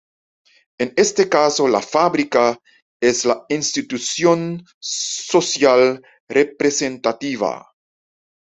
En este caso la fábrica es la institución social representativa.